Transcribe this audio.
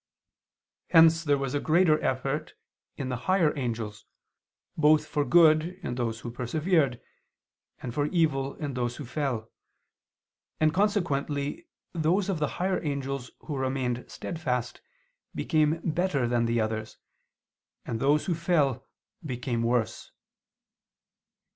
Hence there was a greater effort in the higher angels, both for good in those who persevered, and for evil in those who fell, and consequently those of the higher angels who remained steadfast became better than the others, and those who fell became worse.